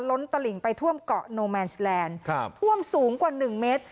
ล้นตะหลิงไปท่วมเกาะโนแมนซ์แลนด์ท่วมสูงกว่า๑เมตร